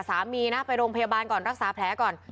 สามีนะไปโรงพยาบาลก่อนรักษาแผลก่อน